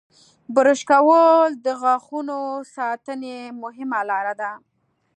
• برش کول د غاښونو ساتنې مهمه لاره ده.